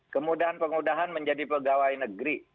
kemudahan kemudahan menjadi pegawai negeri